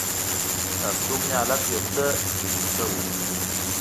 د هستوګنې حالت یو څه ښه شوی.